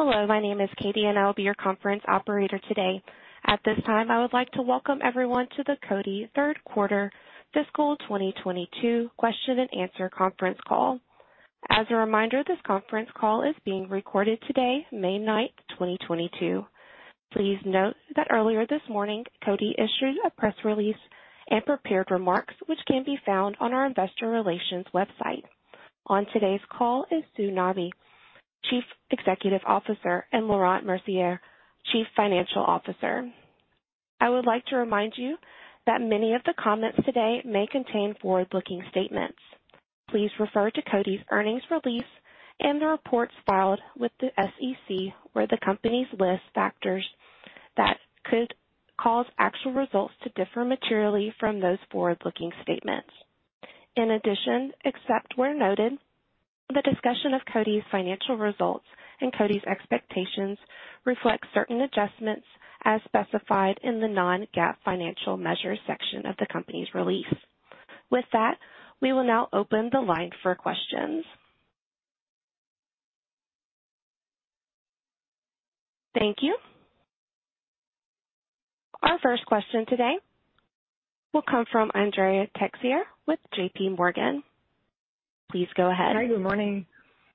Hello, my name is Katie, and I'll be your conference operator today. At this time, I would like to welcome everyone to the Coty third quarter fiscal 2022 question and answer conference call. As a reminder, this conference call is being recorded today, May 9, 2022. Please note that earlier this morning, Coty issued a press release and prepared remarks, which can be found on our investor relations website. On today's call is Sue Nabi, Chief Executive Officer, and Laurent Mercier, Chief Financial Officer. I would like to remind you that many of the comments today may contain forward-looking statements. Please refer to Coty's earnings release and the reports filed with the SEC, where the company lists factors that could cause actual results to differ materially from those forward-looking statements. In addition, except where noted, the discussion of Coty's financial results and Coty's expectations reflect certain adjustments as specified in the non-GAAP financial measures section of the company's release. With that, we will now open the line for questions. Thank you. Our first question today will come from Andrea Teixeira with JPMorgan. Please go ahead. Hi, good morning.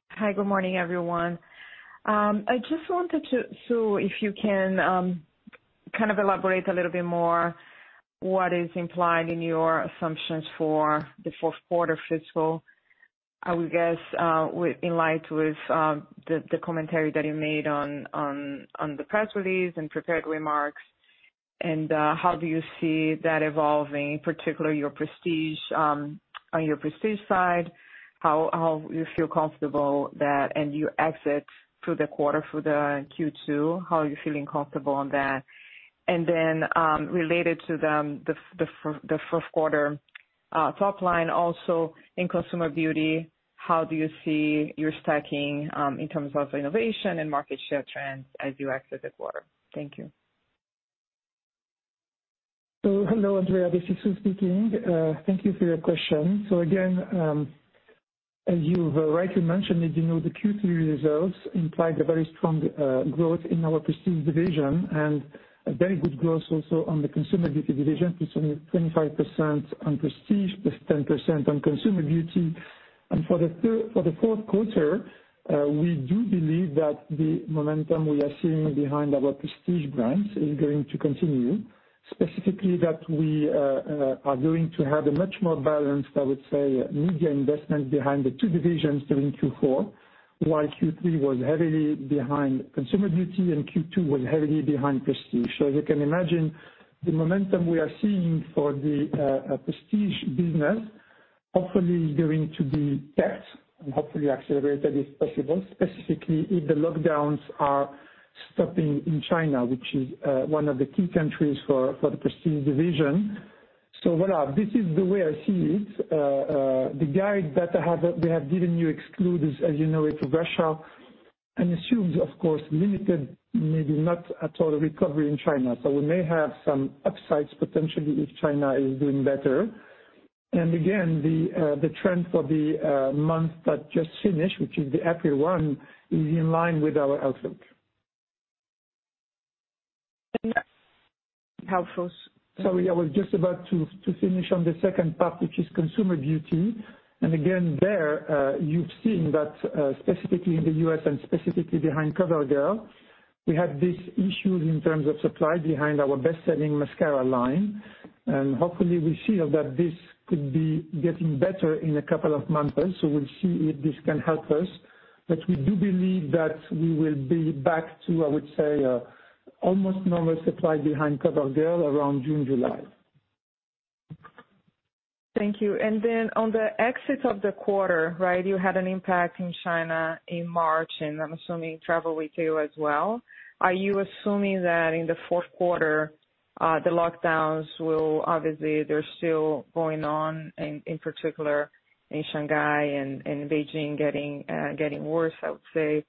Hi, good morning, everyone. I just wanted to Sue, if you can, kind of elaborate a little bit more what is implied in your assumptions for the fiscal fourth quarter, I would guess, in light of the commentary that you made on the press release and prepared remarks. How do you see that evolving, particularly your prestige, on your prestige side, how you feel comfortable with that as you exit the quarter for the Q4, how are you feeling comfortable on that? Then, related to that, the fourth quarter top line also in consumer beauty, how do you see yourself stacking up in terms of innovation and market share trends as you exit the quarter? Thank you. Hello, Andrea. This is Sue Nabi speaking. Thank you for your question. Again, as you've rightly mentioned, as you know, the Q3 results implied a very strong growth in our prestige division and a very good growth also on the consumer beauty division, which is only 25% on prestige, plus 10% on consumer beauty. For the fourth quarter, we do believe that the momentum we are seeing behind our prestige brands is going to continue. Specifically, that we are going to have a much more balanced, I would say, media investment behind the two divisions during Q4, while Q3 was heavily behind consumer beauty and Q2 was heavily behind prestige. You can imagine the momentum we are seeing for the prestige business hopefully is going to be kept and hopefully accelerated if possible, specifically if the lockdowns are stopping in China, which is one of the key countries for the prestige division. Voilà, this is the way I see it. The guide that we have given you excludes, as you know, Russia, and assumes, of course, limited, maybe not at all recovery in China. We may have some upsides potentially if China is doing better. The trend for the month that just finished, which is the April one, is in line with our outlook. That's helpful. Sorry, I was just about to to finish on the second part, which is consumer beauty. Again, there, you've seen that, specifically in the U.S. and specifically behind C, we have this issue in terms of supply behind our best-selling mascara line, and hopefully we feel that this could be getting better in a couple of months. We'll see if this can help us. We do believe that we will be back to, I would say, almost normal supply behind COVERGIRL around June, July. Thank you. On the exit of the quarter, right, you had an impact in China in March, and I'm assuming travel retail as well. Are you assuming that in the fourth quarter, the lockdowns will. Obviously they're still going on in particular in Shanghai and Beijing getting worse, I would say.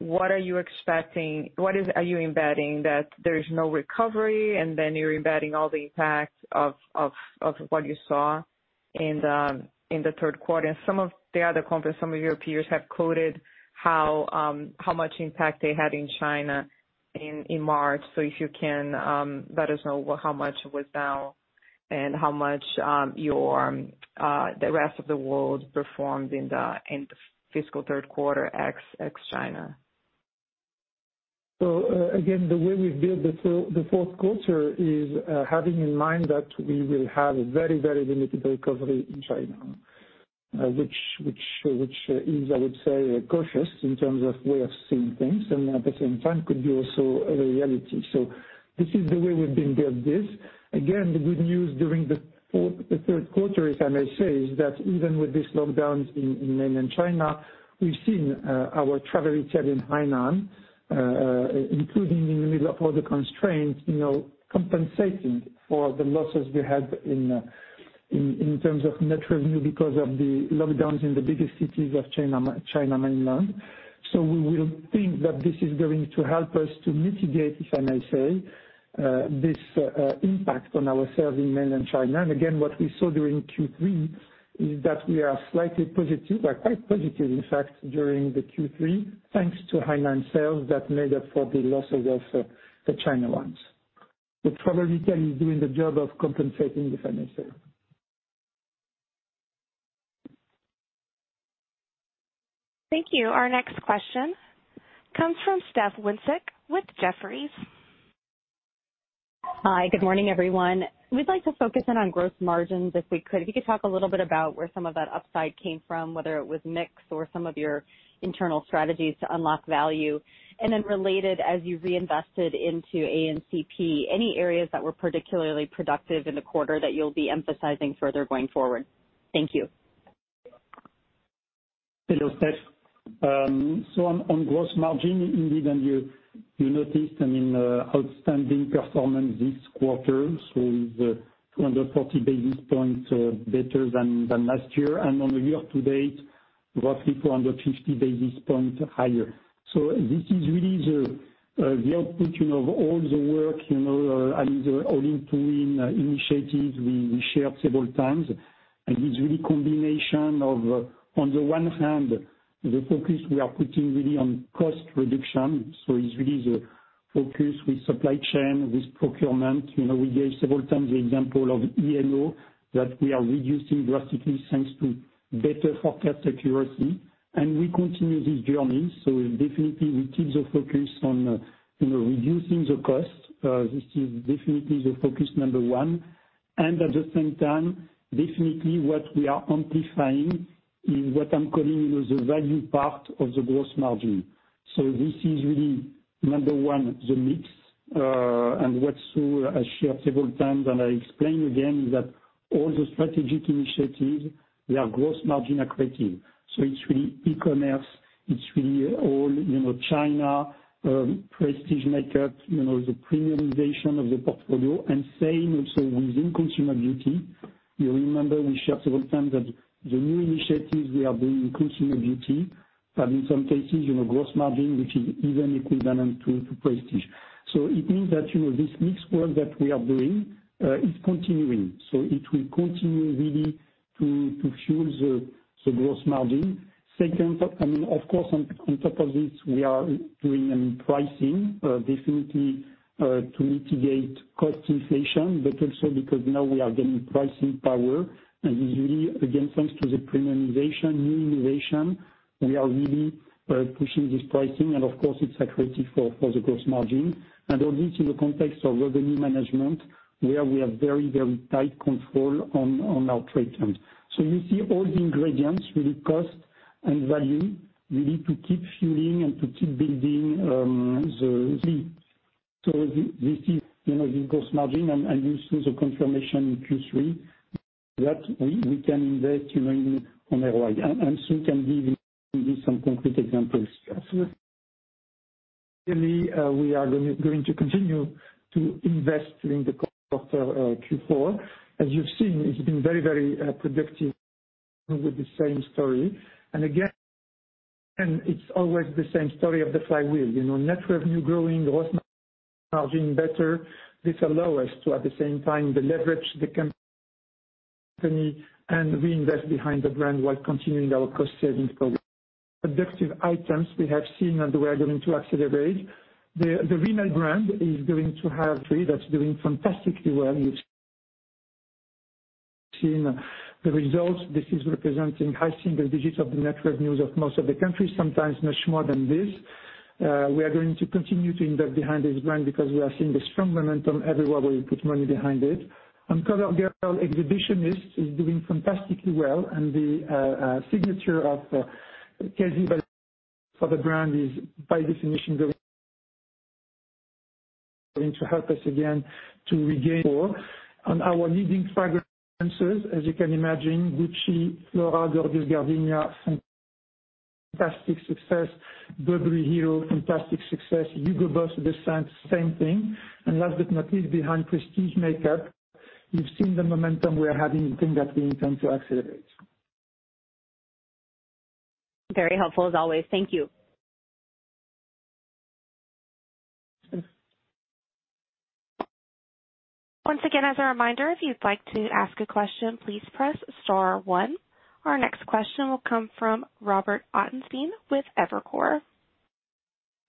What are you expecting? What are you embedding that there is no recovery and then you're embedding all the impact of what you saw in the third quarter? Some of the other companies, some of your peers have quoted how much impact they had in China in March. If you can let us know how much was down and how much the rest of the world performed in the fiscal third quarter ex China. Again, the way we build the fourth quarter is, having in mind that we will have a very, very limited recovery in China, which is, I would say, cautious in terms of way of seeing things and at the same time could be also a reality. This is the way we've been built this. Again, the good news during the third quarter, if I may say, is that even with these lockdowns in Mainland China, we've seen our travel retail in Hainan, including in the middle of all the constraints, you know, compensating for the losses we had in terms of net revenue because of the lockdowns in the biggest cities of China Mainland. We will think that this is going to help us to mitigate, if I may say, this impact on our sales in Mainland China. Again, what we saw during Q3 is that we are slightly positive or quite positive, in fact, during the Q3, thanks to high-end sales that made up for the losses of the China ones. Travel retail is doing the job of compensating the financial. Thank you. Our next question comes from Steph Wissink with Jefferies. Hi, good morning, everyone. We'd like to focus in on growth margins, if we could. If you could talk a little bit about where some of that upside came from, whether it was mix or some of your internal strategies to unlock value. Related, as you reinvested into A&CP, any areas that were particularly productive in the quarter that you'll be emphasizing further going forward? Thank you. Hello, Steph. On gross margin, indeed, and you noticed, I mean, outstanding performance this quarter. With 240 basis points better than last year, and on a year to date, roughly 450 basis points higher. This is really the output, you know, of all the work, you know, and the all-in twin initiatives we shared several times. It's really combination of, on the one hand, the focus we are putting really on cost reduction. It's really the focus with supply chain, with procurement. You know, we gave several times the example of E&O that we are reducing drastically thanks to better forecast accuracy. We continue this journey, so definitely we keep the focus on, you know, reducing the cost. This is definitely the focus number one. At the same time, definitely what we are amplifying is what I'm calling, you know, the value part of the gross margin. This is really, number one, the mix, and what Sue has shared several times, and I explain again is that all the strategic initiatives, they are gross margin accretive. It's really e-commerce, it's really all, you know, China, prestige makeup, you know, the premiumization of the portfolio, and same also within consumer beauty. You remember we shared several times that the new initiatives we are doing in consumer beauty have in some cases, you know, gross margin, which is even equivalent to prestige. It means that, you know, this mix work that we are doing, is continuing. It will continue really to fuel the gross margin. Second, I mean, of course, on top of this, we are doing pricing definitely to mitigate cost inflation, but also because now we are gaining pricing power. This is really, again, thanks to the premiumization, new innovation, we are really pushing this pricing and of course it's accretive for the gross margin. All this in the context of revenue management, where we have very tight control on our trade terms. You see all the ingredients, really cost and value, we need to keep fueling and to keep building the lead. This is, you know, the gross margin and you see the confirmation in Q3 that we can invest even on ROI. Sue can give you some concrete examples. Clearly, we are going to continue to invest during the quarter, Q4. As you've seen, it's been very productive with the same story. Again, it's always the same story of the flywheel, you know, net revenue growing, gross margin better. This allow us to, at the same time, deleverage the company, and reinvest behind the brand while continuing our cost savings program. Productivity we have seen and we are going to accelerate. The V-neck brand is going to have three, that's doing fantastically well. You've seen the results. This is representing high single digits of the net revenues of most of the countries, sometimes much more than this. We are going to continue to invest behind this brand because we are seeing the strong momentum everywhere we put money behind it. COVERGIRL Exhibitionist is doing fantastically well, and the signature of KZ for the brand is by definition going to help us again to regain more. On our leading fragrances, as you can imagine, Gucci Flora Gorgeous Gardenia, fantastic success. Burberry Hero, fantastic success. Hugo Boss, the same thing. Last but not least, behind prestige makeup, you've seen the momentum we are having in Tingat, we intend to accelerate. Very helpful as always. Thank you. Sure. Once again, as a reminder, if you'd like to ask a question, please press star one. Our next question will come from Robert Ottenstein with Evercore.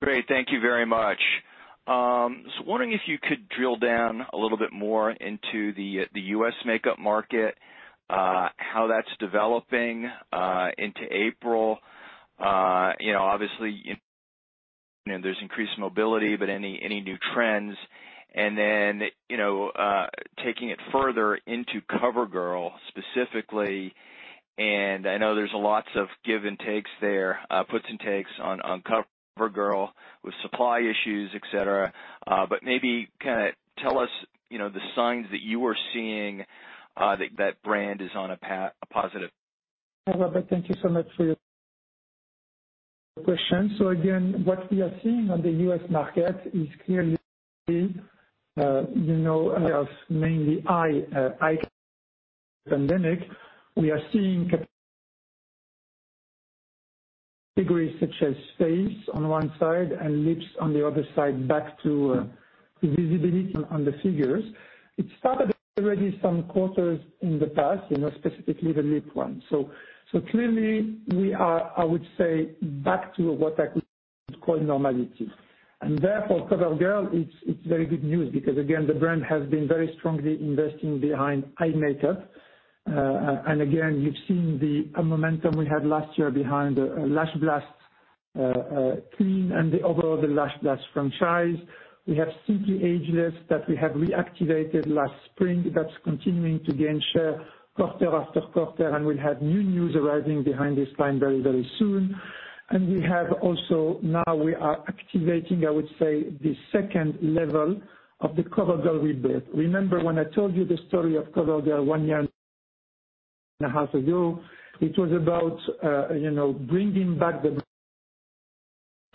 Great. Thank you very much. Wondering if you could drill down a little bit more into the U.S. makeup market, how that's developing into April. You know, obviously, there's increased mobility, but any new trends? Then, you know, taking it further into CoverGirl specifically, and I know there's lots of give and takes there, puts and takes on CoverGirl with supply issues, etc. But maybe kinda tell us, you know, the signs that you are seeing, that the brand is on a positive— Hi, Robert. Thank you so much for your question. Again, what we are seeing on the U.S. market is clearly, you know, mainly high pandemic. We are seeing categories such as face on one side and lips on the other side back to visibility on the figures. It started already some quarters in the past, you know, specifically the lip one. So clearly we are, I would say, back to what I could call normality. Therefore CoverGirl, it's very good news because again, the brand has been very strongly investing behind eye makeup. And again, you've seen the momentum we had last year behind Lash Blast clean and the overall Lash Blast franchise. We have Simply Ageless that we have reactivated last spring that's continuing to gain share quarter after quarter, and we'll have new news arriving behind this line very, very soon. We have also now we are activating, I would say, the second level of the CoverGirl rebirth. Remember when I told you the story of COVERGIRL one year and a half ago, it was about bringing back the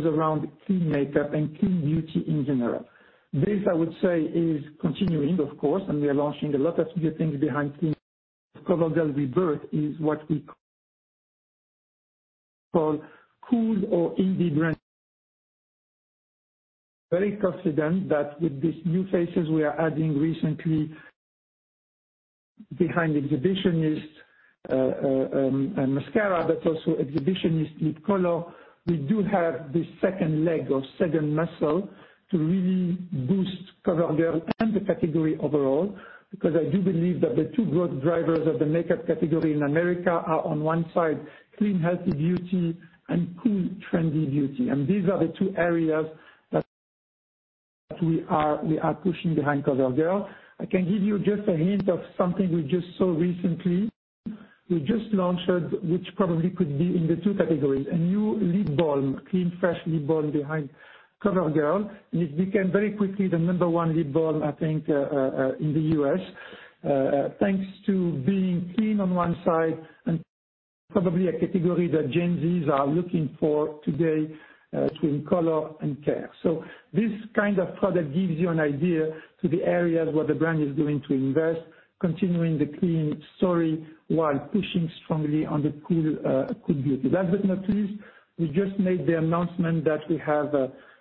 crown clean makeup and clean beauty in general. This, I would say, is continuing, of course, and we are launching a lot of new things behind the COVERGIRL rebirth, is what we call cool or indie brands. Very confident that with these new faces we are adding recently behind Exhibitionist mascara, but also Exhibitionist lip color, we do have this second leg or second muscle to really boost COVERGIRL and the category overall. Because I do believe that the two growth drivers of the makeup category in America are on one side, clean, healthy beauty and cool trendy beauty. These are the two areas that we are pushing behind COVERGIRL. I can give you just a hint of something we just saw recently. We just launched, which probably could be in the two categories, a new lip balm, clean, fresh lip balm behind Cover Girl, and it became very quickly the number one lip balm, I think, in the U.S. Thanks to being clean on one side and probably a category that Gen Z's are looking for today, between color and care. This kind of product gives you an idea to the areas where the brand is going to invest, continuing the clean story while pushing strongly on the cool beauty. Last but not least, we just made the announcement that we have,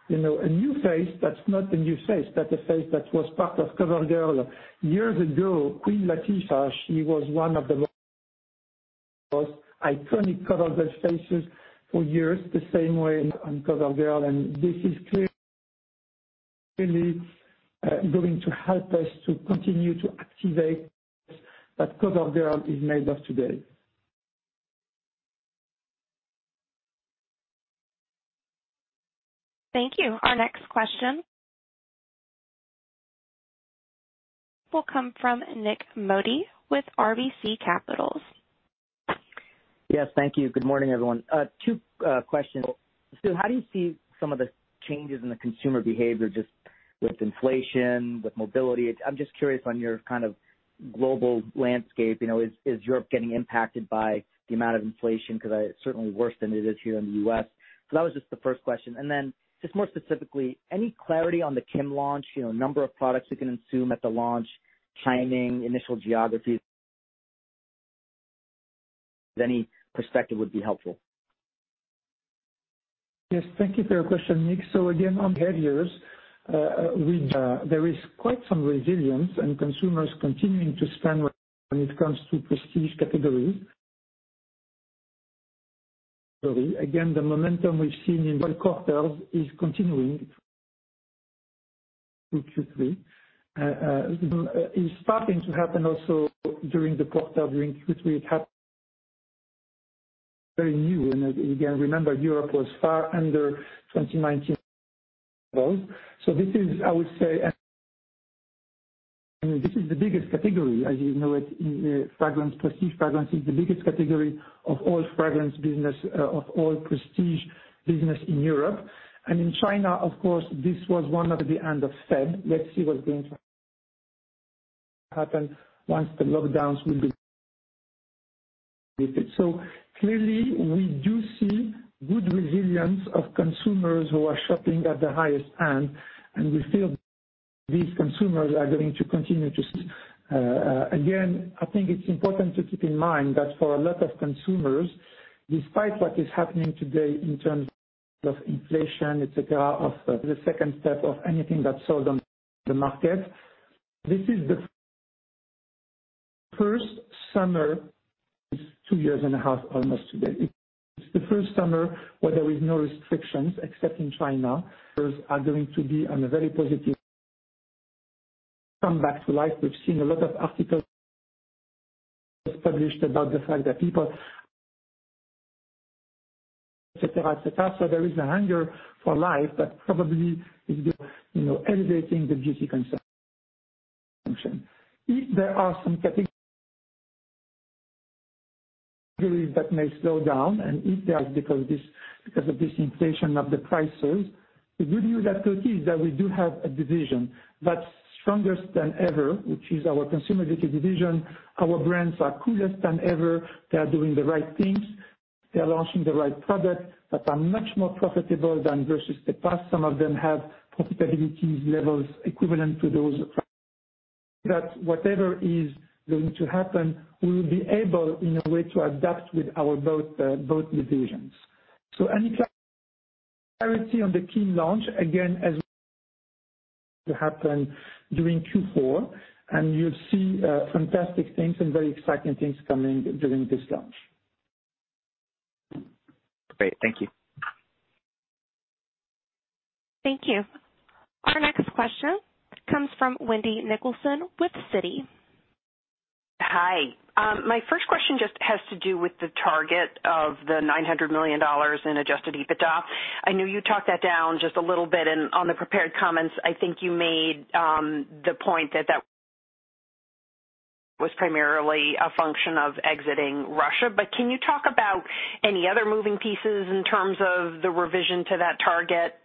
you know, a new face. That's not a new face. That's a face that was part of Cover Girl years ago. Queen Latifah, she was one of the most iconic Cover Girl faces for years, the same way on Cover Girl. This is clearly going to help us to continue to activate that Cover Girl is made of today. Thank you. Our next question will come from Nick Modi with RBC Capital Markets. Yes, thank you. Good morning, everyone. Two questions. How do you see some of the changes in the consumer behavior, just with inflation, with mobility? I'm just curious on your kind of global landscape. You know, is Europe getting impacted by the amount of inflation? 'Cause it's certainly worse than it is here in the U.S. That was just the first question. Just more specifically, any clarity on the Kim launch, you know, number of products we can assume at the launch, timing, initial geographies. Any perspective would be helpful. Yes, thank you for your question, Nick. Again, on behaviors, there is quite some resilience and consumers continuing to spend when it comes to prestige categories. Again, the momentum we've seen in the quarter is continuing through Q3. Is starting to happen also during the quarter, during Q3. It happened very new. Again, remember, Europe was far under 2019 levels. This is, I would say, the biggest category. As you know it, fragrance, prestige fragrance is the biggest category of all fragrance business, of all prestige business in Europe. In China, of course, this was one of the impacts of COVID. Let's see what's going to happen once the lockdowns will be lifted. Clearly we do see good resilience of consumers who are shopping at the highest end, and we feel these consumers are going to continue to see. Again, I think it's important to keep in mind that for a lot of consumers, despite what is happening today in terms of inflation, etc. Of the second step of anything that's sold on the market, this is the first summer, 2.5 years almost today. It's the first summer where there is no restrictions except in China. Are going to come back to life. We've seen a lot of articles published about the fact that people. There is a hunger for life that probably is, you know, elevating the beauty consumption. There are some categories that may slow down. If that's because of this inflation of the prices, the good news at Coty is that we do have a division that's strongest than ever, which is our Consumer Beauty division. Our brands are coolest than ever. They are doing the right things. They are launching the right products that are much more profitable than versus the past. Some of them have profitability levels equivalent to those. That whatever is going to happen, we will be able, in a way, to adapt with our both divisions. Any clarity on the key launch, again, set to happen during Q4, and you'll see fantastic things and very exciting things coming during this launch. Great. Thank you. Thank you. Our next question comes from Wendy Nicholson with Citi. Hi. My first question just has to do with the target of $900 million in adjusted EBITDA. I know you talked that down just a little bit and on the prepared comments, I think you made the point that that was primarily a function of exiting Russia. Can you talk about any other moving pieces in terms of the revision to that target?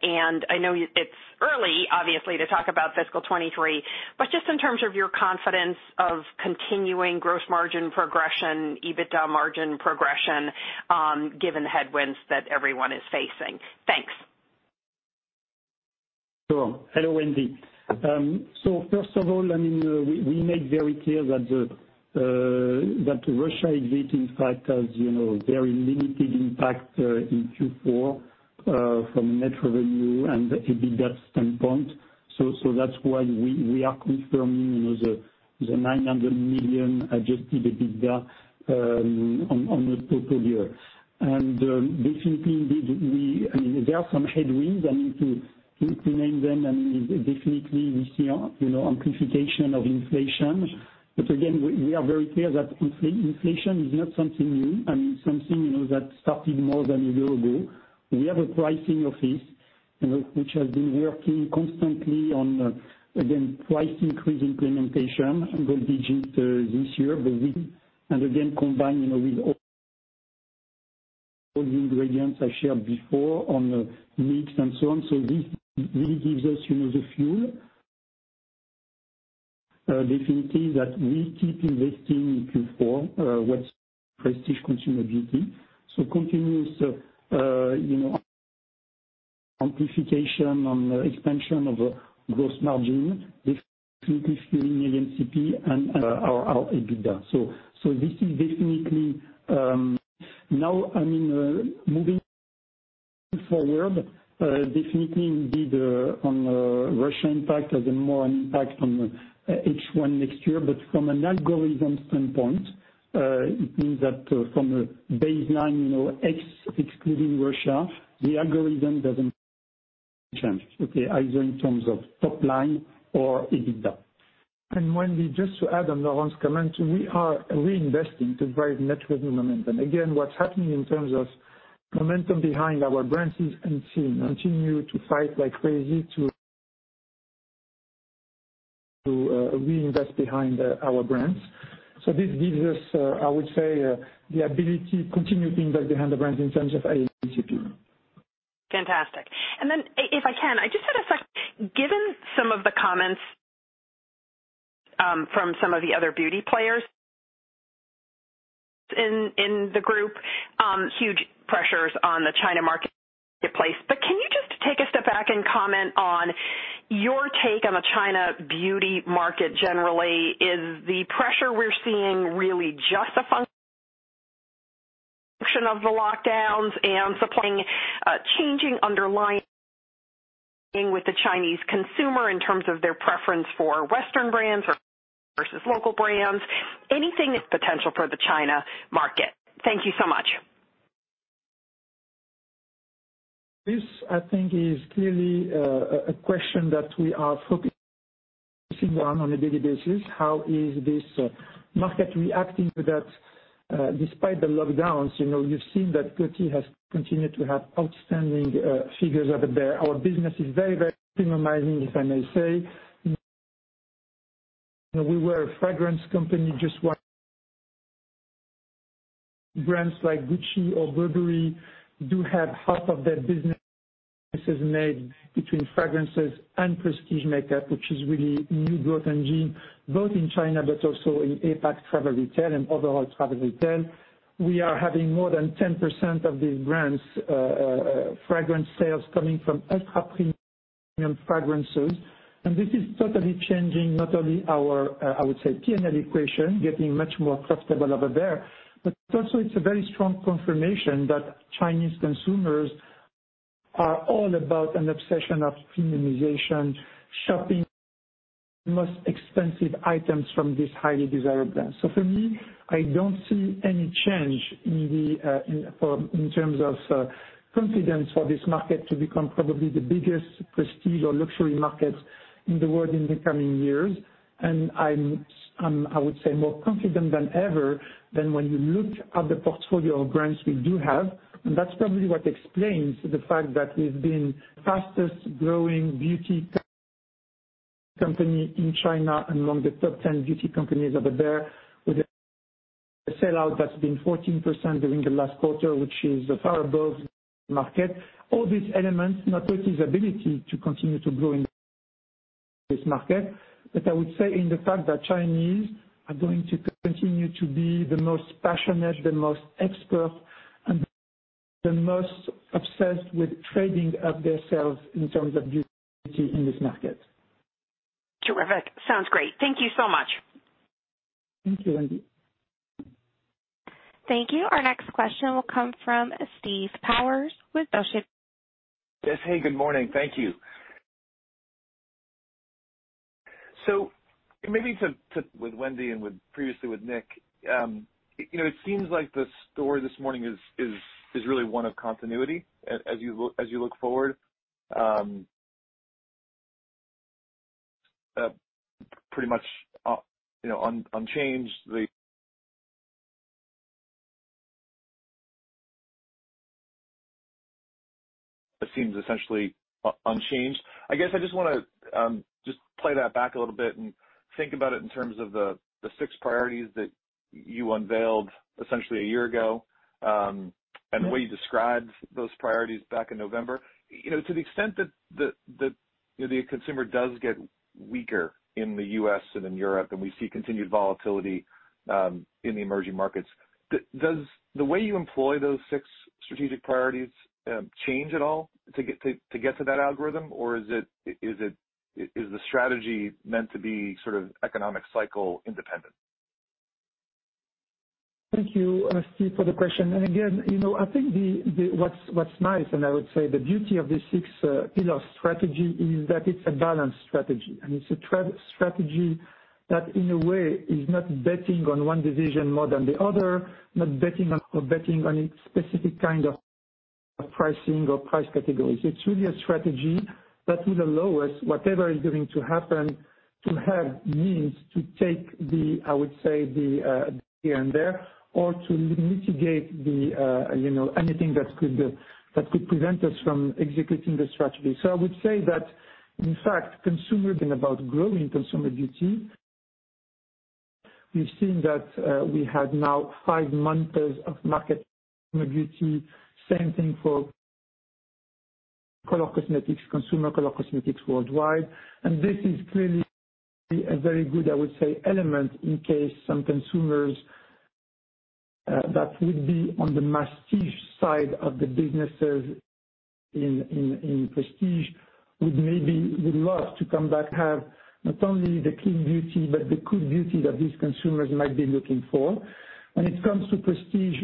I know it's early, obviously, to talk about fiscal 2023, but just in terms of your confidence of continuing gross margin progression, EBITDA margin progression, given the headwinds that everyone is facing. Thanks. Sure. Hello, Wendy. First of all, I mean, we made very clear that Russia exit, in fact, has you know very limited impact in Q4 from net revenue and the EBITDA standpoint. That's why we are confirming you know the $900 million adjusted EBITDA on the total year. Definitely, I mean, there are some headwinds. I mean, to name them, I mean, definitely we see a you know amplification of inflation. Again, we are very clear that inflation is not something new. I mean, something you know that started more than a year ago. We have a pricing office you know which has been working constantly on again price increase implementation. It will be just this year. Again, combined, you know, with all the ingredients I shared before on the mix and so on. So this gives us, you know, the fuel definitely that we keep investing in Q4 what's prestige consumer beauty. So continuous, you know, amplification on the expansion of gross margin, definitely fueling A&CP and our EBITDA. So this is definitely. Now, I mean, moving forward, definitely indeed, on the Russia impact has a more impact on H1 next year. But from an algorithm standpoint, it means that, from a baseline, you know, excluding Russia, the algorithm doesn't change, okay? Either in terms of top line or EBITDA. Wendy, just to add on Laurent's comment, we are reinvesting to drive net revenue momentum. Again, what's happening in terms of momentum behind our brands is continue to fight like crazy to reinvest behind our brands. This gives us, I would say, the ability to continue to invest behind the brands in terms of A&CP. Fantastic. If I can, I just had a sec. Given some of the comments from some of the other beauty players in the group, huge pressures on the China marketplace. Can you just take a step back and comment on your take on the China beauty market generally? Is the pressure we're seeing really just a function of the lockdowns and supplying changing underlying with the Chinese consumer in terms of their preference for Western brands or versus local brands? Any potential for the China market? Thank you so much. This, I think, is clearly a question that we are focusing on a daily basis. How is this market reacting to that, despite the lockdowns, you know, you've seen that Coty has continued to have outstanding figures over there. Our business is very, very premiumizing, if I may say. We were a fragrance company just like brands like Gucci or Burberry do have half of their business is made between fragrances and prestige makeup, which is really new growth engine, both in China but also in APAC travel retail and overall travel retail. We are having more than 10% of these brands fragrance sales coming from ultra premium fragrances. This is totally changing not only our, I would say PNL equation, getting much more profitable over there, but also it's a very strong confirmation that Chinese consumers are all about an obsession of premiumization, shopping most expensive items from this highly desired brand. For me, I don't see any change in terms of confidence for this market to become probably the biggest prestige or luxury market in the world in the coming years. I'm, I would say, more confident than ever than when you look at the portfolio of brands we do have, and that's probably what explains the fact that we've been fastest growing beauty company in China, among the top 10 beauty companies over there with a sellout that's been 14% during the last quarter, which is far above market. All these elements, not with this ability to continue to grow in this market, but I would say in the fact that Chinese are going to continue to be the most passionate, the most expert, and the most obsessed with trading up themselves in terms of beauty in this market. Terrific. Sounds great. Thank you so much. Thank you, Wendy. Thank you. Our next question will come from Steve Powers with Yes. Hey, good morning. Thank you. Maybe with Wendy and previously with Nick, you know, it seems like the story this morning is really one of continuity as you look forward, pretty much, you know, it seems essentially unchanged. I guess I just wanna just play that back a little bit and think about it in terms of the six priorities that you unveiled essentially a year ago, and the way you described those priorities back in November. You know, to the extent that the consumer does get weaker in the U.S. than in Europe, and we see continued volatility in the emerging markets. Does the way you employ those six strategic priorities change at all to get to that algorithm? Is it the strategy meant to be sort of economic cycle independent? Thank you, Steve, for the question. Again, you know, I think what's nice, and I would say the beauty of this six pillar strategy is that it's a balanced strategy. It's a true strategy that in a way is not betting on one division more than the other, not betting on or betting on a specific kind of pricing or price categories. It's really a strategy that will allow us whatever is going to happen to have means to take the, I would say, the here and there, or to mitigate the, you know, anything that could prevent us from executing the strategy. I would say that, in fact, consumer being about growing consumer beauty, we've seen that we had now five months of market beauty. Same thing for color cosmetics, consumer color cosmetics worldwide. This is clearly a very good, I would say, element in case some consumers that would be on the prestige side of the businesses in prestige would maybe love to come back have not only the clean beauty but the cool beauty that these consumers might be looking for. When it comes to prestige,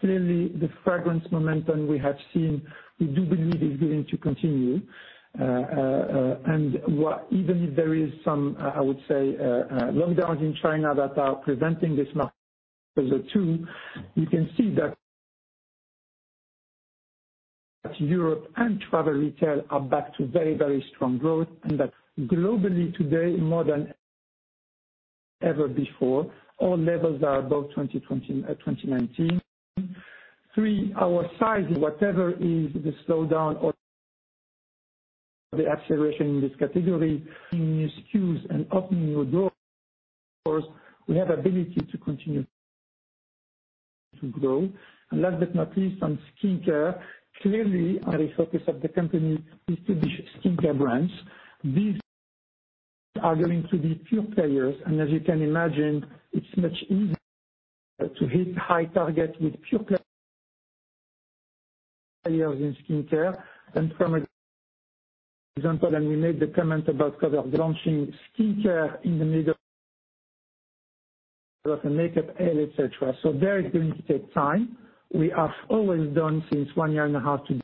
clearly the fragrance momentum we have seen, we do believe is going to continue. Even if there is some lockdowns in China that are preventing this market, too, you can see that Europe and travel retail are back to very, very strong growth and that globally today, more than ever before, all levels are above 2020, 2019. Three, our size, whatever is the slowdown or the acceleration in this category, new SKUs and opening new doors, we have ability to continue to grow. Last but not least, on skincare, clearly a focus of the company is to be skincare brands. These are going to be pure players. As you can imagine, it's much easier to hit high targets with pure players in skincare. For example, we made the comment about CoverGirl launching skincare in the middle of the makeup, hair, et cetera. That is going to take time. We have always done since one year and a half to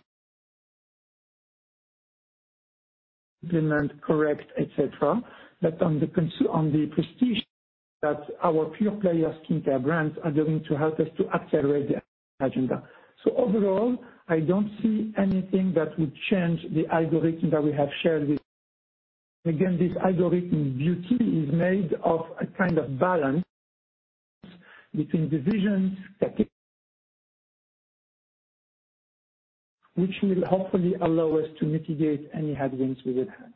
implement, correct, et cetera. On the prestige that our pure players skincare brands are going to help us to accelerate the agenda. Overall, I don't see anything that would change the algorithm that we have shared with. Again, this algorithmic beauty is made of a kind of balance between divisions, categories, which will hopefully allow us to mitigate any headwinds we would have.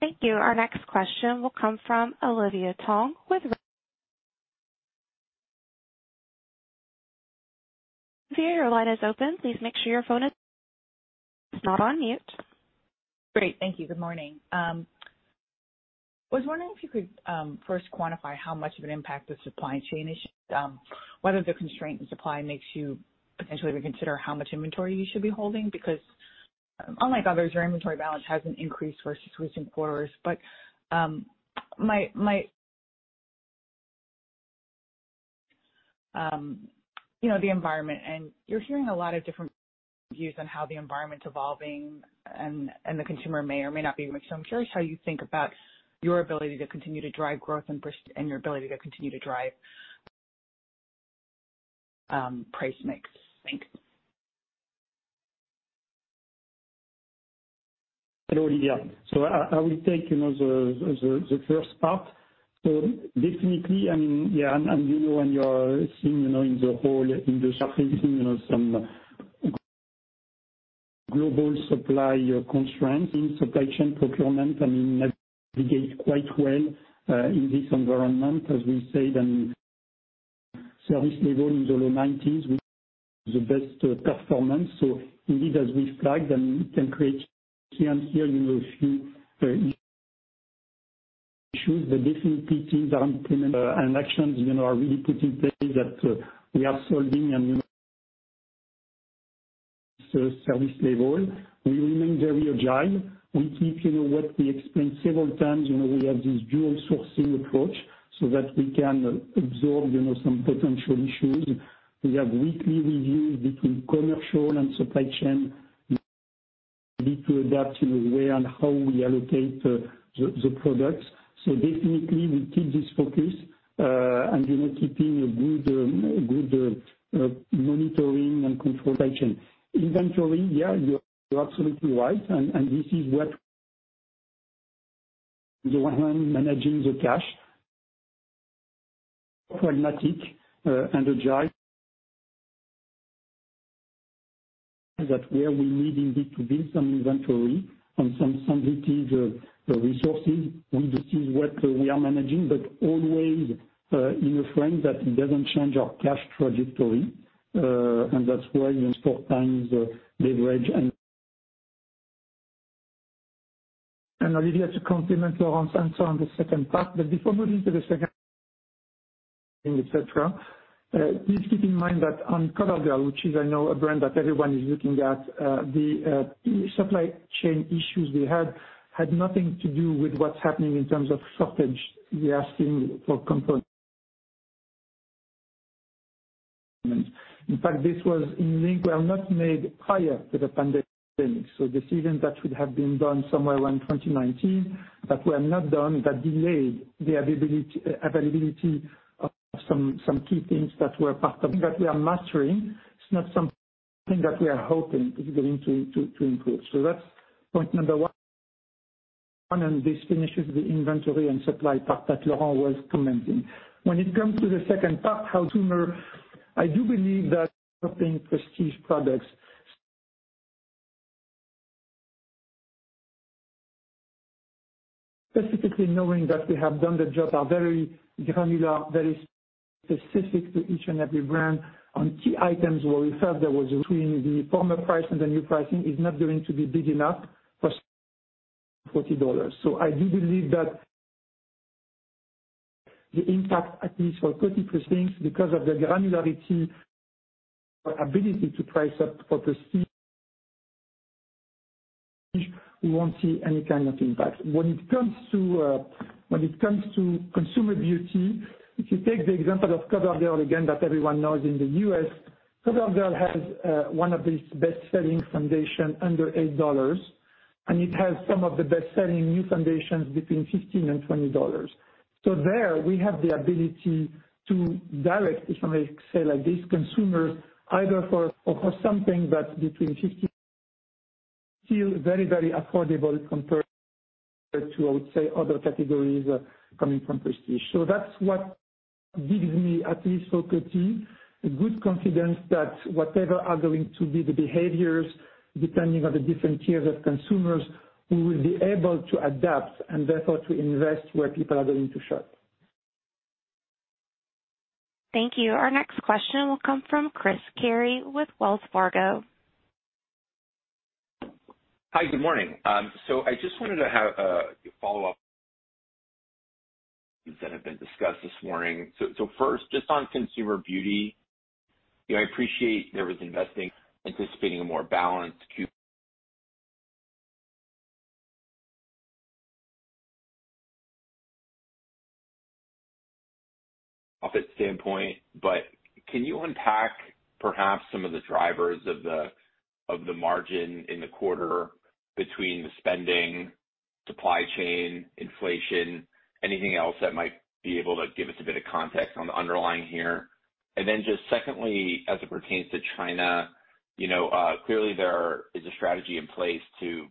Thank you. Our next question will come from Olivia Tong. Olivia, your line is open. Please make sure your phone is not on mute. Great. Thank you. Good morning. I was wondering if you could first quantify how much of an impact the supply chain is. Whether the constraint in supply makes you potentially reconsider how much inventory you should be holding. Because unlike others, your inventory balance hasn't increased versus recent quarters. You know, the environment and you're hearing a lot of different views on how the environment's evolving and the consumer may or may not be mixed. I'm curious how you think about your ability to continue to drive growth and your ability to continue to drive price mix. Thanks. Hello, Olivia. I will take the first part. Definitely, I mean, when you're seeing in the whole industry some global supply constraints in supply chain procurement, we navigate quite well in this environment, as we said, and service level in the low 90s, which is the best performance. Indeed, as we flagged and can create here a few issues, the different pieces are implemented and actions are really put in place that we are solving and service level. We remain very agile. We keep what we explained several times, we have this dual sourcing approach so that we can absorb some potential issues. We have weekly reviews between commercial and supply chain. Need to adapt, where and how we allocate the products. Definitely we keep this focus, and keeping a good monitoring and supply chain. Inventory, yeah, you're absolutely right, and this is what you are managing the cash. Pragmatic and agile. That where we need indeed to build some inventory on some of it is resources. This is what we are managing, but always in a frame that doesn't change our cash trajectory. That's why our net leverage and Olivia, to complement Laurent's answer on the second part. Before moving to the second, et cetera, please keep in mind that on CoverGirl, which is I know a brand that everyone is looking at, the supply chain issues we had had nothing to do with what's happening in terms of shortage we are seeing for components. In fact, these were not made prior to the pandemic. Decisions that should have been done somewhere around 2019, but were not done, that delayed the availability of some key things that were part of that we are mastering. It's not something that we are hoping is going to improve. That's point number one. This finishes the inventory and supply part that Lauren was commenting. When it comes to the second part, however I do believe that helping prestige products. Specifically knowing that we have done the job are very granular, very specific to each and every brand on key items where we felt there was between the former price and the new pricing is not going to be big enough for $40. I do believe that the impact, at least for Coty Prestige, because of the granularity ability to price up for prestige, we won't see any kind of impact. When it comes to consumer beauty, if you take the example of CoverGirl, again that everyone knows in the U.S., CoverGirl has one of the best-selling foundation under $8, and it has some of the best-selling new foundations between $15 and $20. There we have the ability to direct, if I may say like this, consumers either for something that between $15. Still very, very affordable compared to, I would say other categories coming from prestige. That's what gives me, at least for Coty, a good confidence that whatever are going to be the behaviors, depending on the different tiers of consumers, we will be able to adapt and therefore to invest where people are going to shop. Thank you. Our next question will come from Chris Carey with Wells Fargo. Hi, good morning. I just wanted to have a follow-up that have been discussed this morning. First, just on consumer beauty, you know, I appreciate there was investing, anticipating a more balanced Q4 profit standpoint, but can you unpack perhaps some of the drivers of the margin in the quarter between the spending, supply chain, inflation, anything else that might be able to give us a bit of context on the underlying here? Then just secondly, as it pertains to China, you know, clearly there is a strategy in place to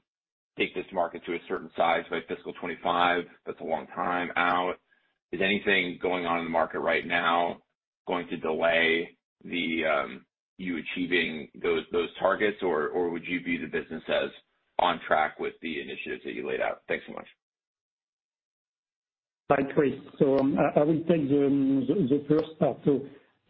take this market to a certain size by fiscal 2025. That's a long time out. Is anything going on in the market right now going to delay you achieving those targets? Would you view the business as on track with the initiatives that you laid out? Thanks so much. Hi, Chris. I will take the first part.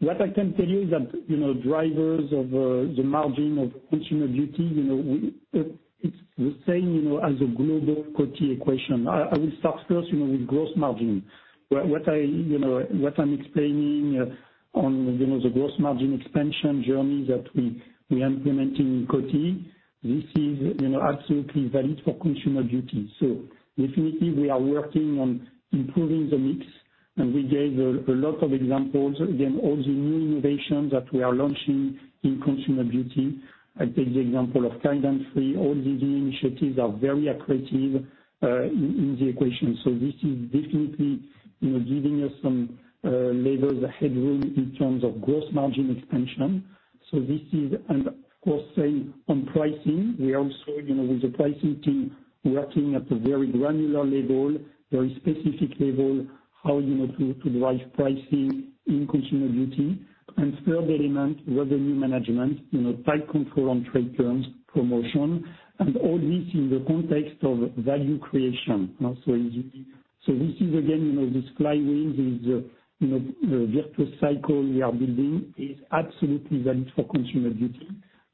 What I can tell you is that, you know, drivers of the margin of consumer beauty, you know. It's the same, you know, as a global Coty equation. I will start first, you know, with gross margin. What I'm explaining on, you know, the gross margin expansion journey that we implementing in Coty, this is, you know, absolutely valid for consumer beauty. Definitely we are working on improving the mix, and we gave a lot of examples. Again, all the new innovations that we are launching in consumer beauty. I take the example of kind and free. All these initiatives are very accretive in the equation. This is definitely, you know, giving us some levers, the headroom in terms of gross margin expansion. This is of course, say on pricing, we also, you know, with the pricing team working at a very granular level, very specific level, how, you know, to drive pricing in consumer beauty. Third element, revenue management, you know, tight control on trade terms, promotion, and all this in the context of value creation. This is again, you know, this flywheels is, you know, the virtuous cycle we are building is absolutely valid for consumer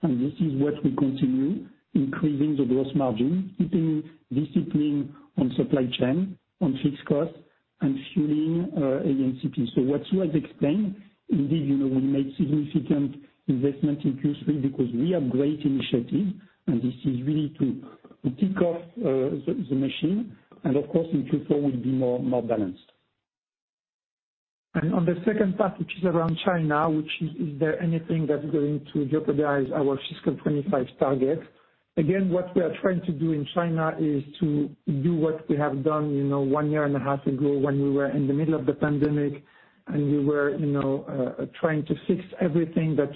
beauty. This is what we continue increasing the gross margin, keeping discipline on supply chain, on fixed costs and fueling A&CP. What you have explained, indeed, you know, we made significant investment in Q3 because we have great initiative and this is really to kick off the machine and of course in Q4 will be more balanced. On the second part, which is around China, is there anything that's going to jeopardize our fiscal 25 target? Again, what we are trying to do in China is to do what we have done, you know, one year and a half ago when we were in the middle of the pandemic and we were, you know, trying to fix everything that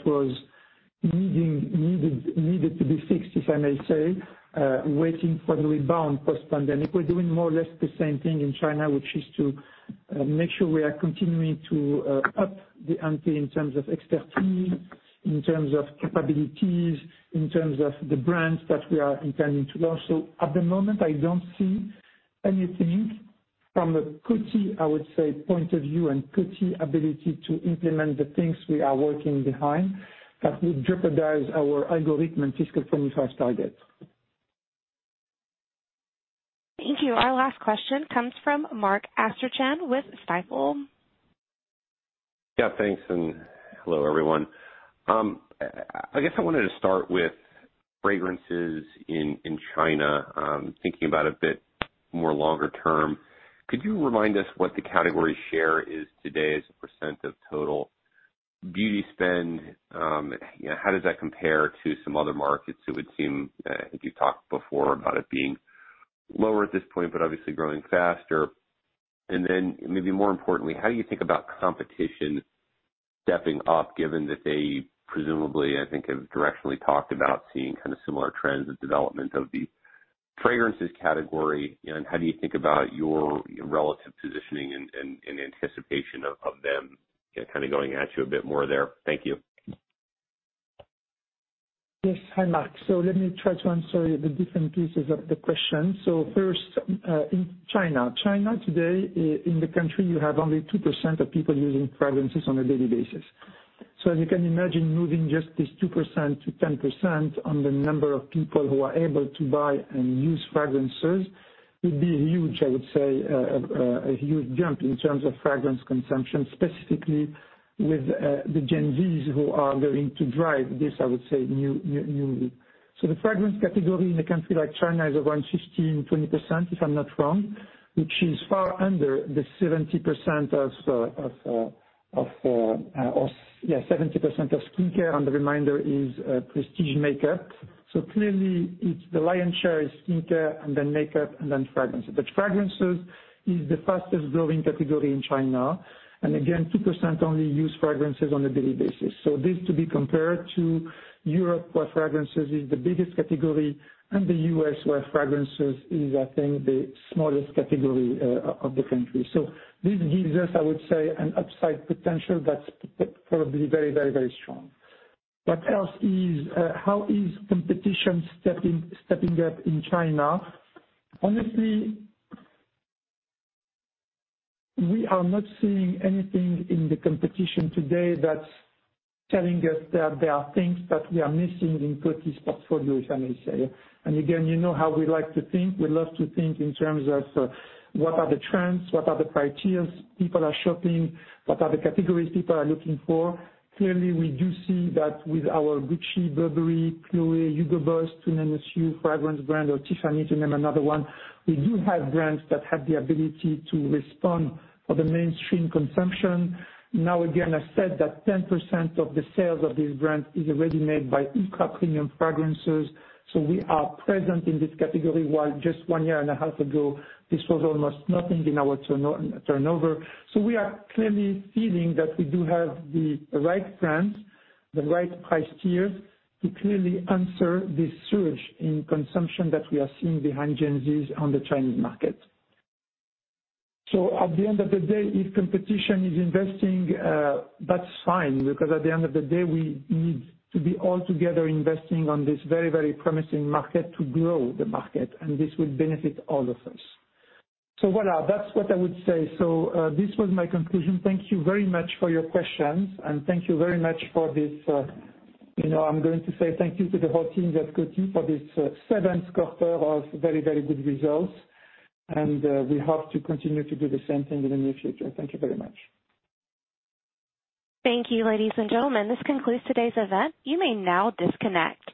needed to be fixed, if I may say, waiting for the rebound post-pandemic. We're doing more or less the same thing in China, which is to make sure we are continuing to up the ante in terms of expertise, in terms of capabilities, in terms of the brands that we are intending to launch. At the moment, I don't see anything from a Coty point of view and Coty ability to implement the things we are working on, that will jeopardize our ambitious fiscal 2025 target. Thank you. Our last question comes from Mark Astrachan with Stifel. Yeah, thanks and hello, everyone. I guess I wanted to start with fragrances in China. Thinking about a bit more longer term. Could you remind us what the category share is today as a percent of total beauty spend? How does that compare to some other markets? It would seem, you talked before about it being lower at this point, but obviously growing faster. Maybe more importantly, how do you think about competition stepping up, given that they presumably, I think, have directionally talked about seeing kind of similar trends and development of the fragrances category? How do you think about your relative positioning in anticipation of them kind of going at you a bit more there? Thank you. Yes. Hi, Mark. Let me try to answer the different pieces of the question. First, in China. China today, in the country, you have only 2% of people using fragrances on a daily basis. You can imagine moving just this 2% to 10% on the number of people who are able to buy and use fragrances would be huge, I would say, a huge jump in terms of fragrance consumption, specifically with the Gen Z who are going to drive this, I would say, newly. The fragrance category in a country like China is around 15, 20%, if I'm not wrong, which is far under the 70% of skincare and the remainder is prestige makeup. Clearly it's the lion's share is skincare and then makeup and then fragrances. Fragrances is the fastest growing category in China. Again, 2% only use fragrances on a daily basis. This to be compared to Europe, where fragrances is the biggest category, and the U.S., where fragrances is, I think, the smallest category, of the country. This gives us, I would say, an upside potential that's probably very, very, very strong. How is competition stepping up in China? Honestly, we are not seeing anything in the competition today that's telling us that there are things that we are missing in Coty's portfolio, if I may say. Again, you know how we like to think. We love to think in terms of what are the trends, what are the criteria people are shopping, what are the categories people are looking for. Clearly, we do see that with our Gucci, Burberry, Chloé, Hugo Boss, Tom Ford fragrance brand, or Tiffany to name another one, we do have brands that have the ability to respond for the mainstream consumption. Now, again, I said that 10% of the sales of these brands is already made by e-commerce premium fragrances. We are present in this category, while just one year and a half ago, this was almost nothing in our turnover. We are clearly feeling that we do have the right brands, the right price tiers to clearly answer this surge in consumption that we are seeing behind Gen Z's on the Chinese market. At the end of the day, if competition is investing, that's fine, because at the end of the day, we need to be all together investing on this very, very promising market to grow the market, and this will benefit all of us. Voilà, that's what I would say. This was my conclusion. Thank you very much for your questions, and thank you very much for this. You know, I'm going to say thank you to the whole team at Coty for this seventh quarter of very, very good results. We hope to continue to do the same thing in the near future. Thank you very much. Thank you, ladies and gentlemen. This concludes today's event. You may now disconnect.